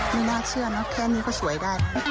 มีหน้าเชื่อนะแค่นี้ก็สวยได้